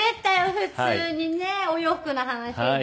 普通にねお洋服の話で。